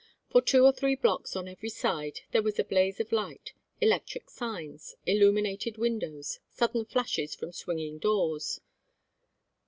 For two or three blocks on every side there was a blaze of light, electric signs, illuminated windows, sudden flashes from swinging doors.